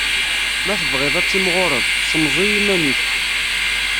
Ma tebɣiḍ ad timɣuṛeḍ, ssemẓi iman-ik!